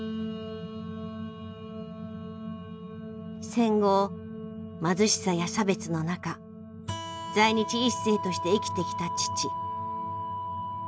戦後貧しさや差別の中在日一世として生きてきた父。